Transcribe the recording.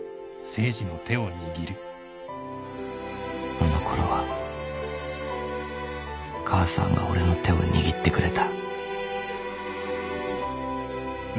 ［あのころは母さんが俺の手を握ってくれた］